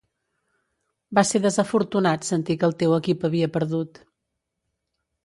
Va ser desafortunat sentir que el teu equip havia perdut.